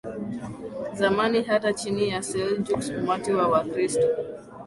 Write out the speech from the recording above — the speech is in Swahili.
zamani Hata chini ya Seljuks umati wa Wakristo